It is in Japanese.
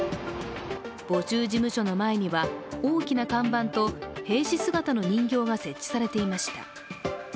募集事務所の前に大きな看板と兵士姿の人形が設置されていました。